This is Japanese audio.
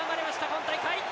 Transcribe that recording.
今大会。